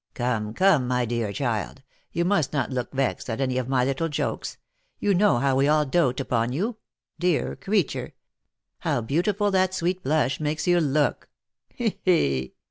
" Come, come, my dear child, you must not look vexed at any of my little jokes. You know how we all dote upon you ! Dear creature ! How beautiful that sweet blush makes you look ! He, he